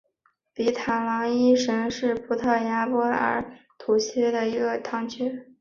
比塔朗伊什是葡萄牙波尔图区的一个堂区。